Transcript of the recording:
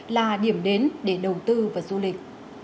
là điểm đến để đầu tư và du lịch